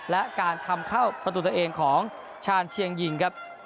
และการทำเข้าประตูตัวเองของชาญเชียงยิงครับ